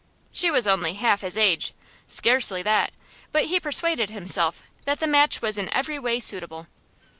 She was only half his age scarcely that but he persuaded himself that the match was in every way suitable.